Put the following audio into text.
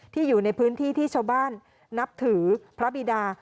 อยู่ในพื้นที่ที่ชาวบ้านนับถือพระบิดา